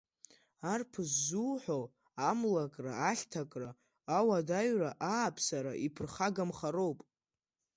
Арԥыс, зуҳәо амлакра ахьҭакра, ауадаҩра, ааԥсара иԥырхагамхароуп…